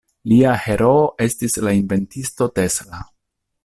Lia heroo estis la inventisto Tesla.